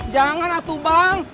jangan atuh bang